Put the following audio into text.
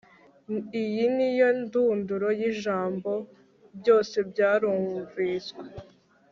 iyi niyo ndunduro y'ijambo, byose byarumviswe